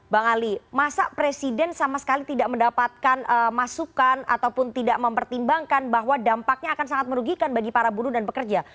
bang ali masa presiden sama sekali tidak mendapatkan masukan ataupun tidak mempertimbangkan bahwa dampaknya akan sangat merugikan bagi para buruh dan pekerja